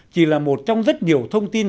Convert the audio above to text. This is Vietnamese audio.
chỉ là một trong rất nhiều thông tin